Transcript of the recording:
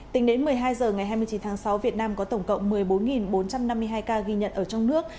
tính đến một mươi hai h ngày hai mươi chín tháng sáu việt nam có tổng cộng một mươi bốn bốn trăm năm mươi hai ca ghi nhận ở trong nước